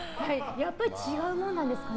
やっぱり違うもんですかね？